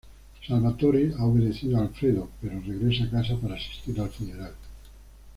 Salvatore ha obedecido a Alfredo, pero regresa a casa para asistir al funeral.